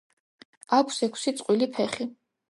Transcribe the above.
აქვს ექვსი წყვილი ფეხი.